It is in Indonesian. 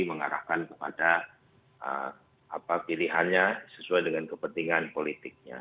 mengarahkan kepada pilihannya sesuai dengan kepentingan politiknya